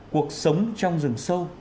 cuộc sống trong rừng sâu